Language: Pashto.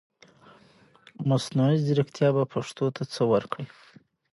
مصنوعي ځرکتيا به پښتو ته سه ورکړٸ